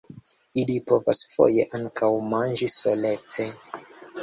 Ili povas foje ankaŭ manĝi solece.